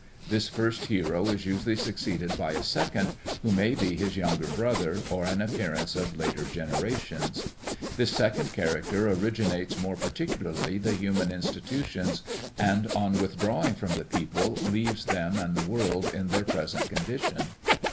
This first hero is usually succeeded by a second, who may be his younger brother or an appearance of later generations. This second character originates more particularly the human institutions and on withdrawing from the people leaves them and the world in their present condition.